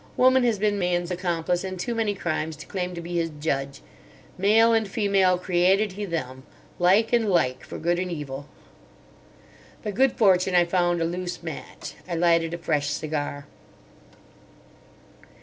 Woman has been man's accomplice in too many crimes to claim to be his judge. 'Male and female created He them'—like and like, for good and evil." By good fortune I found a loose match. I lighted a fresh cigar.